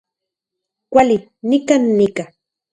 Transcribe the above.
Kuali, nikan nika